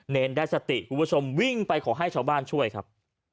เนรได้สติคุณผู้ชมวิ่งไปขอให้ชาวบ้านช่วยครับ